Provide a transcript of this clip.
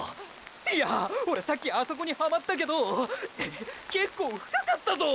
⁉いやオレさっきあそこにはまったけどけっこう深かったぞ！！